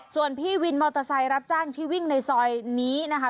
ส่วนพี่วินมอเตอร์ไซค์รับจ้างที่วิ่งในซอยนี้นะคะ